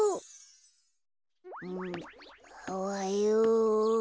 おはよう。